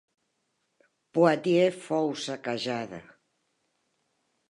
Poitiers fou saquejada.